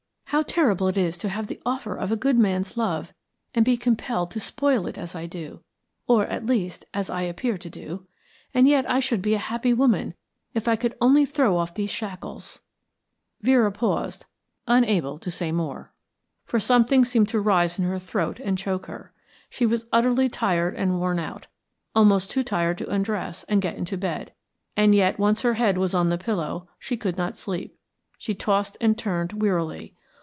How terrible it is to have the offer of a good man's love, and be compelled to spoil it as I do, or, at least, as I appear to do. And yet I should be a happy woman if I could only throw off these shackles " Vera paused, unable to say more, for something seemed to rise in her throat and choke her. She was utterly tired and worn out, almost too tired to undress and get into bed and yet once her head was on the pillow she could not sleep; she tossed and turned wearily.